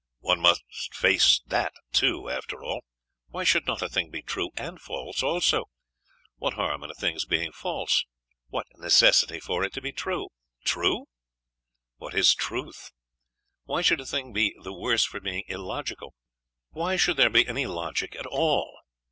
One must face that too, after all. Why should not a thing be true and false also? What harm in a thing's being false? What necessity for it to be true? True? What is truth? Why should a thing be the worse for being illogical? Why should there be any logic at all?